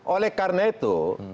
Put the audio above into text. oleh karena itu